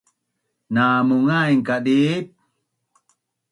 Namungain kadiip